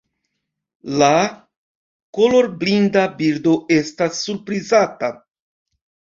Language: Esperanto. La kolorblinda birdo estas surprizata.